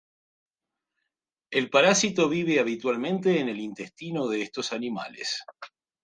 El parásito vive habitualmente en el intestino de estos animales.